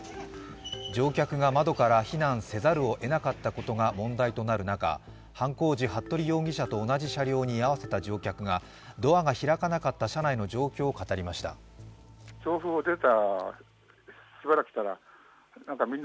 乗客が窓から避難せざるをえなかったことが問題となる中、犯行時、服部容疑者と同じ車両に居合わせた乗客がドアが開かなかった車内の状況を語りました。